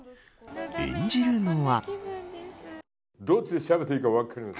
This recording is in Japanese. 演じるのは。